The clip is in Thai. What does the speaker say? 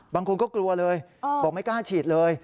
บางคนก็กลัวเลยบอกไม่กล้าฉีดเลย